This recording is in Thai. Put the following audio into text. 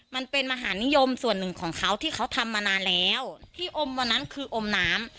มันเป็นมหานิยมส่วนหนึ่งของเขาที่เขาทำมานานแล้วที่อมวันนั้นคืออมน้ำ